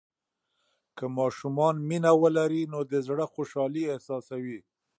که ماشومان مینه ولري، نو د زړه خوشالي احساسوي.